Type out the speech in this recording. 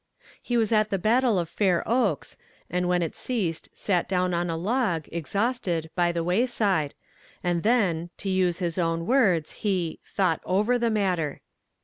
He was at the battle of Fair Oaks, and when it ceased sat down on a log, exhausted, by the wayside, and then, to use his own words, he "thought over the matter."